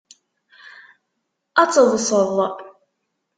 Ad teḍṣeḍ.